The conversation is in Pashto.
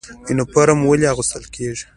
یونفورم ولې اغوستل کیږي؟